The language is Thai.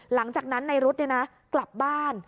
หลังจากนั้นนายรุ๊ดเนี่ยนะกลับบ้าน